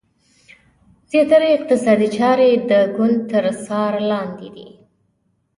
زیاتره اقتصادي چارې د ګوند تر څار لاندې دي.